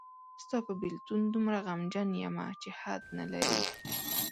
ستاپه بیلتون دومره غمجن یمه چی حد نلری.